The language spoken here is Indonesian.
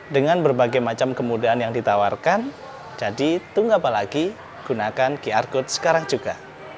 dengan berbagai macam kemudahan yang ditawarkan jadi tunggu apa lagi gunakan qr code sekarang juga